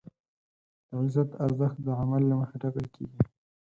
د عزت ارزښت د عمل له مخې ټاکل کېږي.